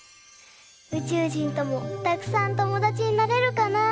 うちゅうじんともたくさんともだちになれるかな。